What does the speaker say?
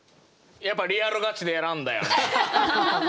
やっぱリアルガチで選んだよね。